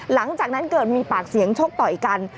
หลังจากนั้นเกิดมีปากเสียงชกต่อยกัน